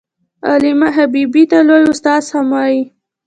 علامه حبيبي ته لوى استاد هم وايي.